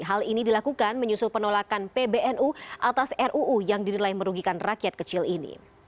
hal ini dilakukan menyusul penolakan pbnu atas ruu yang dinilai merugikan rakyat kecil ini